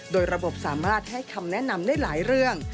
โดยระบบสามารถให้คำแนะนำได้หลายเรื่อง